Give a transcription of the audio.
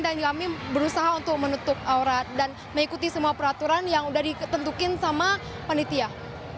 dan kami berusaha untuk menutup aurat dan mengikuti semua peraturan yang sudah ditentukan sama penelitian